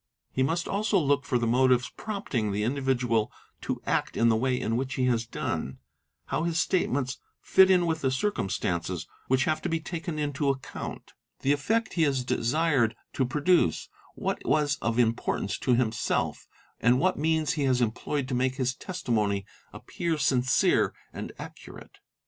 He must also look for the motives prompting t] 2 individual to act in the way in which he has done, how his state ments fit in with the circumstances which have to be taken into account, the effect he is desired to produce, what was of importance to himself, and what means he has employed to make his testimony appear sincere | md accurate.